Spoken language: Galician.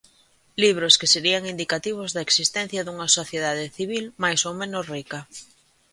Libros que serían indicativos da existencia dunha sociedade civil máis ou menos rica.